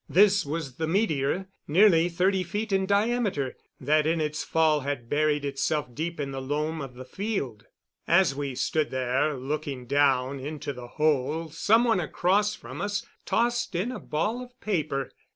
This was the meteor nearly thirty feet in diameter that in its fall had buried itself deep in the loam of the field. As we stood there looking down into the hole some one across from us tossed in a ball of paper.